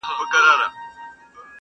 چي لا ګرځې پر دنیا باندي ژوندی یې؛